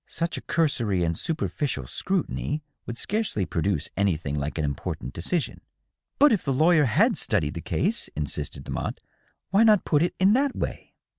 Such a cursory and superficial scrutiny would scarcely produce anything like an important decision." " But if the lawyer had studied the case !" insisted Demotte. " Why not put it in that way?"